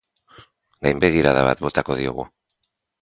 Gainbegirada bat botako diogu.